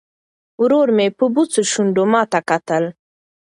ورور مې په بوڅو شونډو ماته کتل.